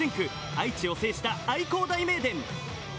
愛知を制した愛工大名電。